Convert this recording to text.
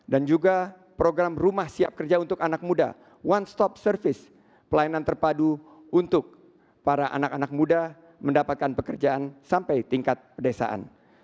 dan juga program rumah siap kerja untuk anak muda one stop service pelayanan terpadu untuk para anak anak muda mendapatkan pekerjaan sampai tingkat pedesaan